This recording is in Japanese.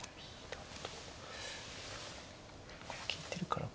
ここ利いてるから。